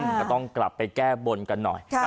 ก็ต้องกลับไปแก้บนกันหน่อย